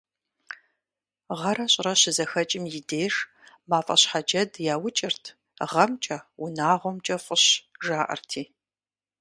Гъэрэ щӀырэ щызэхэкӀым и деж «мафӀэщхьэджэд» яукӀырт, «гъэмкӀэ, унагъуэмкӀэ фӀыщ», жаӀэрти.